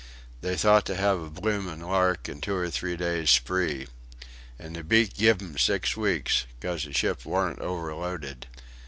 They thought to have a bloomin' lark and two or three days' spree. And the beak giv' 'em six weeks coss the ship warn't overloaded.